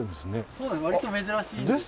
そうですね割と珍しい。ですよね。